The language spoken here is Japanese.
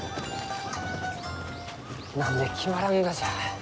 何で決まらんがじゃ？